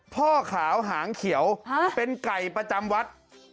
พ่อขาวหางเขียวเป็นไก่ประจำวัด